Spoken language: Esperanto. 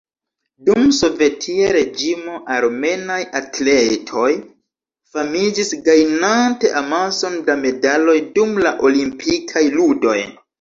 Dum sovetia reĝimo, armenaj atletoj famiĝis gajnante amason da medaloj dum la Olimpikaj Ludoj.